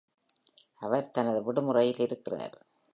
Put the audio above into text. அவர் தனது விடுமுறையில் இருக்கிறார்.